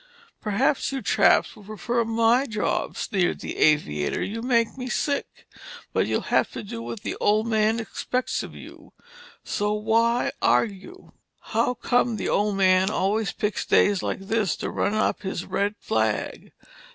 "Perhaps you chaps would prefer my job," sneered the aviator. "You make me sick! But you'll have to do what the old man expects of you,—so why argue?" "How come the old man always picks days like this to run up his red flag?"